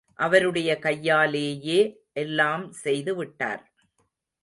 அவருடைய கையாலேயே எல்லாம் செய்து விட்டார்.